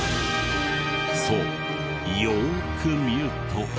そうよーく見ると。